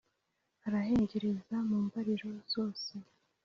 arahengereza mu mbariro zose